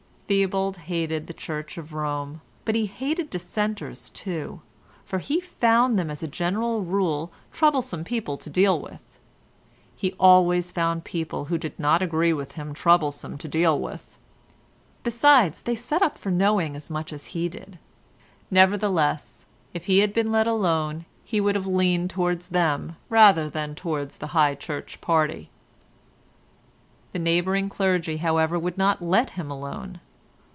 Theobald hated the Church of Rome, but he hated dissenters too, for he found them as a general rule troublesome people to deal with; he always found people who did not agree with him troublesome to deal with: besides, they set up for knowing as much as he did; nevertheless if he had been let alone he would have leaned towards them rather than towards the High Church party. The neighbouring clergy, however, would not let him alone.